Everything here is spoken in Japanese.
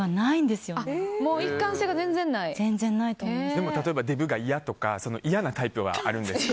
でも例えばデブが嫌とか嫌なタイプはあるんですか？